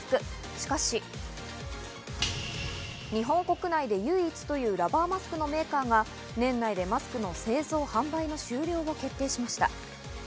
しかし、日本国内で唯一というラバーマスクのメーカーが年内でマスクの製造・販売の終了を決定しました。